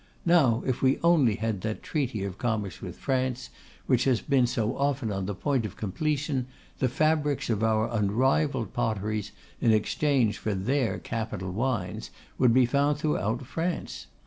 Now, if we only had that treaty of commerce with France which has been so often on the point of completion, the fabrics of our unrivalled potteries, in exchange for their capital wines, would be found throughout France.